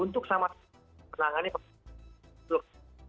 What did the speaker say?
untuk sama sama menangani covid